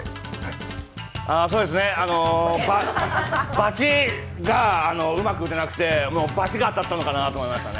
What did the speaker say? バチがうまく打てなくてバチが当たったのかなと思いましたね。